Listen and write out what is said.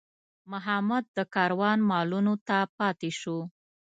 محمد د کاروان مالونو ته پاتې شو.